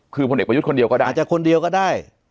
คือผลเอกประยุทธ์คนเดียวก็ได้